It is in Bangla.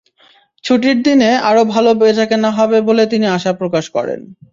ছুটির দিনে আরও ভালো বেচা-কেনা হবে বলে তিনি আশা প্রকাশ করেন।